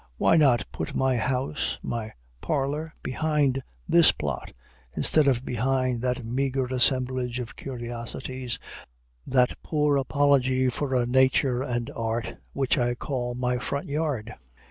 Why not put my house, my parlor, behind this plot, instead of behind that meager assemblage of curiosities, that poor apology for a Nature and Art, which I call my front yard?